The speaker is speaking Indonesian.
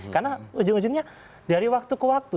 karena ujung ujungnya dari waktu ke waktu